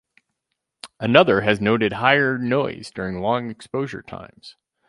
Another has noted higher noise during long exposure times.